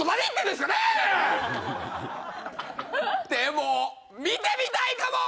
でも見てみたいかも！